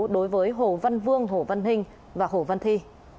đối với hồ văn vương hồ văn hình và hồ văn thi